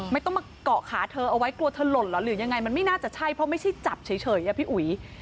ไม่ต้องมาเกาะขาเธอเอาไว้กลัวเธอหล่นเหรอหรือยังไงมันไม่น่าจะใช่เพราะไม่ใช่จับเฉยอะพี่อุ๋ย